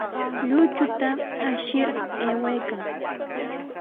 Lluychuta ashir aywaykan.